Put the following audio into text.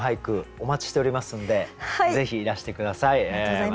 お待ちしておりますんでぜひいらして下さい。